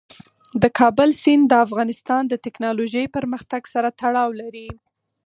د کابل سیند د افغانستان د تکنالوژۍ پرمختګ سره تړاو لري.